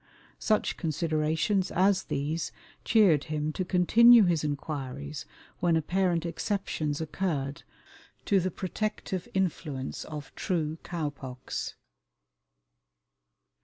Such considerations as these cheered him to continue his inquiries when apparent exceptions occurred to the protective influence of true cow pox.